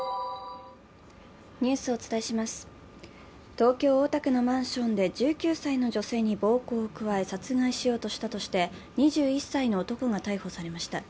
東京・大田区のマンションで１９歳の女性に暴行を加え殺害しようとしたとして２１歳の男が逮捕されました。